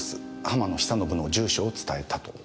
浜野久信の住所を伝えたと。